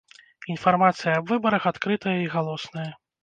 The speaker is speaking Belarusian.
Інфармацыя аб выбарах адкрытая і галосная.